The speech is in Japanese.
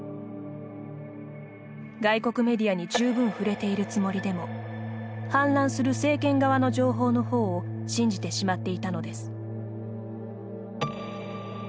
外国メディアに十分触れているつもりでも氾濫する政権側の情報のほうを信じてしまっていたのです。